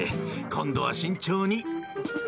今度は慎重に。